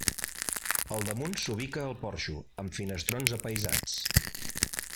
Al damunt s'ubica el porxo, amb finestrons apaïsats.